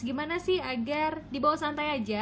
gimana sih agar dibawa santai aja